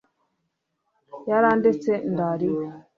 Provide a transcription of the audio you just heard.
yarandetse ndara iwe